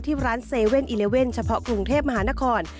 ที่ร้าน๗๑๑เฉพาะกรุงเทพมหานคร